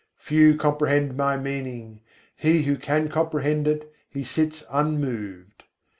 Few comprehend my meaning: he who can comprehend it, he sits unmoved.